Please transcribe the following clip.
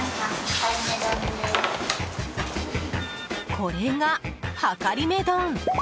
これが、はかりめ丼。